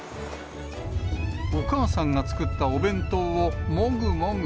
お母さんが作ったお弁当をもぐもぐ。